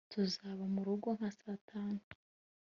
tuzaba murugo nka saa tanu